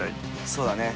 そうだね。